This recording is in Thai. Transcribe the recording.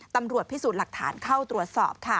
ตำรวจพิสูจน์หลักฐานเข้าตรวจสอบค่ะ